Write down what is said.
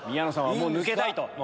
もう抜けたい。